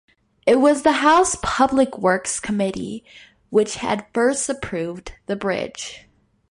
It was the House Public Works Committee which had first approved the bridge.